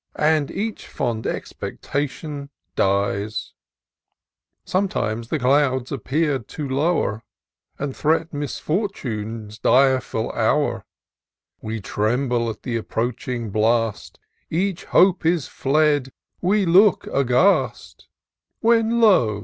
And each fond expectation dies ! Sometimes the clouds appear to lowV, And threat misfortune's direful hour : IN SEARCH OF THE PICTURESQUE. 75^ We tremble at the approaching blast ; Each hppe is fled— we look aghast : When, lo